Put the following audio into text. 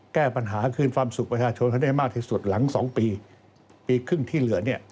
แก้ปัญหาคืนความสุขประชาชนให้ได้มากที่สุดหลัง๒ปีปีครึ่งที่เหลือเนี่ย